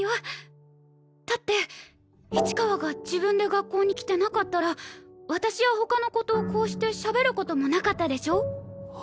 だって市川が自分で学校に来てなかったら私や他の子とこうしてしゃべる事もなかったでしょう？